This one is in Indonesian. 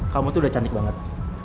kamu tuh udah cantik banget